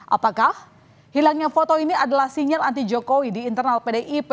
apakah hilangnya foto ini adalah sinyal anti jokowi di internal pdip